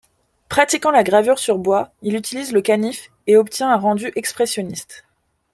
Pratiquant la gravure sur bois, il utilise le canif et obtient un rendu expressionniste.